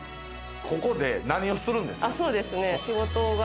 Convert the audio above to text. ここで何をするんですか？